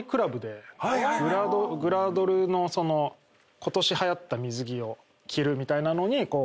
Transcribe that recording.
グラドルのことしはやった水着を着るみたいなのに。